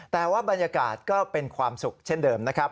แต่ว่าบรรยากาศก็เป็นความสุขเช่นเดิมนะครับ